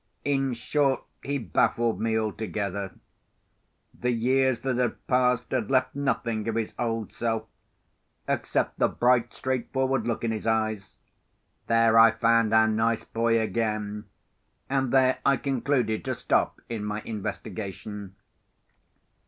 In short, he baffled me altogether. The years that had passed had left nothing of his old self, except the bright, straightforward look in his eyes. There I found our nice boy again, and there I concluded to stop in my investigation.